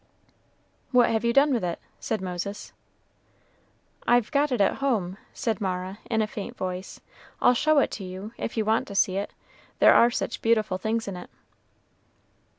"What have you done with it?" said Moses. "I've got it at home," said Mara, in a faint voice; "I'll show it to you, if you want to see it; there are such beautiful things in it."